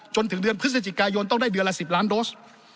จนถึงเดือนพฤศจิกายนต้องได้เดือนละ๑๐ล้านโดส